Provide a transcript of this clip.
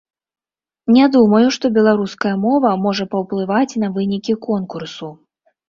Не думаю, што беларуская мова можа паўплываць на вынікі конкурсу.